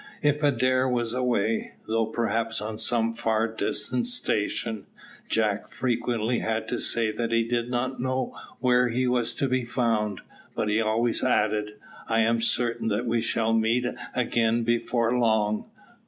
If Adair was away, though perhaps on some far distant station, Jack frequently had to say that he did not know where he was to be found, but he always added, "I am certain that we shall meet again before long.